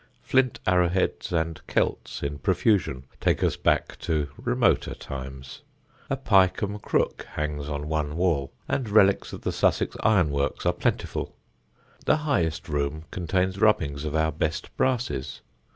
Flint arrow heads and celts in profusion take us back to remoter times. A Pyecombe crook hangs on one wall, and relics of the Sussex ironworks are plentiful. The highest room contains rubbings of our best brasses.